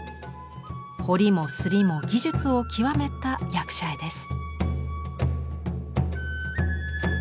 彫りも刷りも技術を極めた役者絵です。